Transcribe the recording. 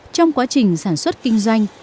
trong quá trình sản xuất kinh doanh